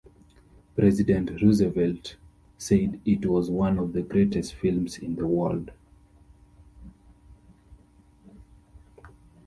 President Roosevelt said it was one of the greatest films in the world.